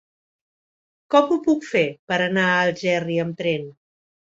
Com ho puc fer per anar a Algerri amb tren?